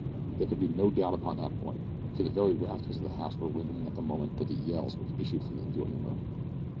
There could be no doubt upon that point, for the very rafters of the house were ringing at the moment with the yells which issued from an adjoining room.